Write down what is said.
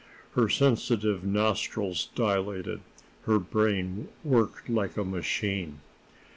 Her sensitive nostrils dilated, her brain worked like a machine.